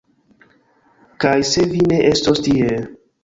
Kaj se vi ne estos tie....